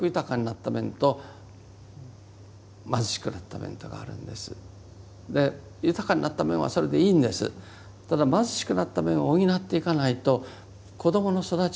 ただ貧しくなった面を補っていかないと子どもの育ちに関わってくる。